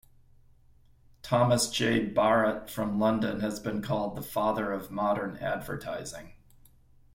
Thomas J. Barratt from London has been called "the father of modern advertising".